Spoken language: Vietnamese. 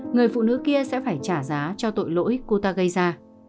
người phụ nữ kia sẽ phải trả giá cho tội lỗi cô ta gây ra